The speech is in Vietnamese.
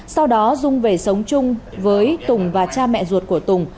sau đó dung về sống chung với tùng và cha mẹ ruột của tùng